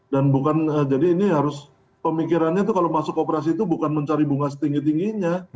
dan bukan jadi ini harus pemikirannya kalau masuk kooperasi itu bukan mencari bunga setinggi tingginya